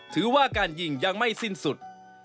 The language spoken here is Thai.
ถือว่าการยิงยังไม่สิ้นสุด